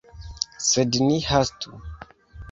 Sed ni hastu.